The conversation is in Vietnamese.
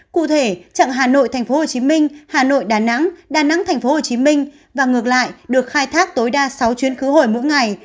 cụ thể trận hà nội tphcm hà nội đn đn tphcm và ngược lại được khai thác tối đa sáu chuyến khứ hồi mỗi ngày